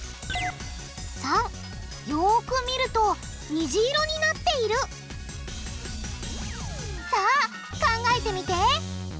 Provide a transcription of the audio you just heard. ③よく見るとにじ色になっているさあ考えてみて！